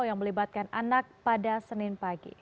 yang melibatkan anak pada senin pagi